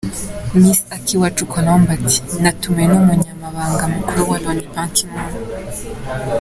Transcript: Miss Akiwacu Colombe ati “Natumiwe n’Umunyamabanga Mukuru wa Loni Ban Ki-Moon.